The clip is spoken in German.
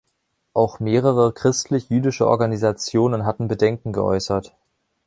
Auch mehrere christlich-jüdische Organisationen hatten Bedenken geäußert.